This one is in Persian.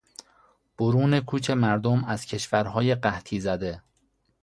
برون کوچ مردم از کشورهای قحطی زده